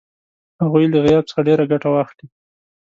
هغوی له غیاب څخه ډېره ګټه واخلي.